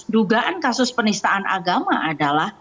dugaan kasus penistaan agama adalah